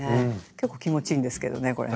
結構気持ちいいんですけどねこれね。